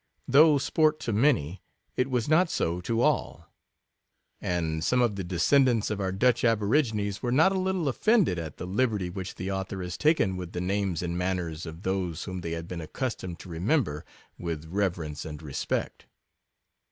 Though sport to many, it was not so to all ; and some of the descend ants of our Dutch aborigines were not a little offended at the liberty which the author has taken with the names and manners of those whom they had been accustomed to remem ber with reverence and respect.